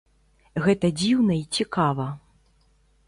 Гэта дзіўна і цікава.